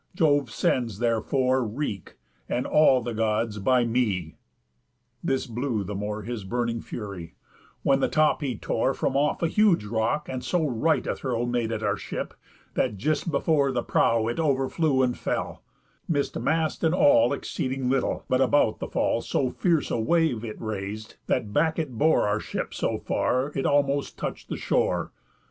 Jove sends therefore wreak, And all the Gods, by me.' This blew the more His burning fury; when the top he tore From off a huge rock, and so right a throw Made at our ship, that just before the prow It overflew and fell, miss'd mast and all Exceeding little; but about the fall So fierce a wave it rais'd, that back it bore Our ship so far, it almost touch'd the shore.